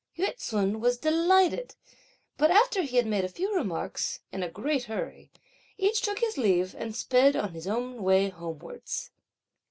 Yü ts'un was delighted, but after he had made a few remarks, in a great hurry, each took his leave and sped on his own way homewards.